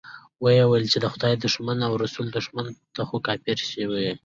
ويې ويل چې خدای دښمنه او رسول دښمنه، ته خو کافر شوې.